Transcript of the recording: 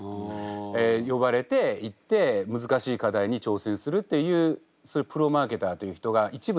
呼ばれて行って難しい課題に挑戦するというそういうプロマーケターという人が一部います。